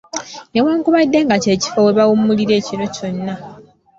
Newankubadde nga kye kifo we bawummulira ekiro kyonna.